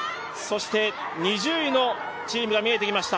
２０位のチームが見えてきました、